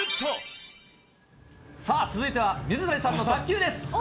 さあ、続いては水谷さんの卓球です。